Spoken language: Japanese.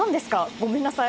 ごめんなさい。